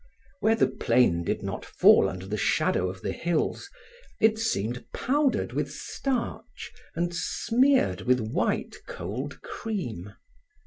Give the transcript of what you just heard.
Where the plain did not fall under the shadow of the hills, it seemed powdered with starch and smeared with white cold cream.